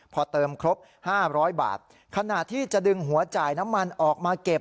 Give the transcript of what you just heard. พอเติมครบ๕๐๐บาทขณะที่จะดึงหัวจ่ายน้ำมันออกมาเก็บ